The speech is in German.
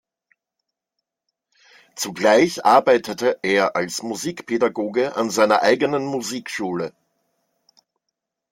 Zugleich arbeitete er als Musikpädagoge an seiner eigenen Musikschule.